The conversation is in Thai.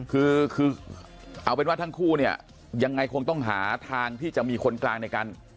คือคือเอาเป็นว่าทั้งคู่เนี่ยยังไงคงต้องหาทางที่จะมีคนกลางในการ